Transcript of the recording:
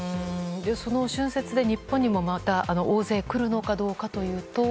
その春節で日本にもまた大勢来るのかというと。